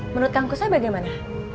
menurut kangkusnya bagaimana